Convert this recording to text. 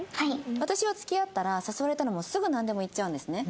私は付き合ったら誘われたらもうすぐなんでも行っちゃうんですね。